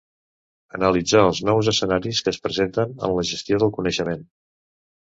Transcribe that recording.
Analitzar els nous escenaris que es presenten en la gestió del coneixement.